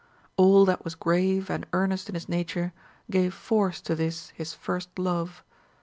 All that was grave and earnest in his nature gave force to this his first love.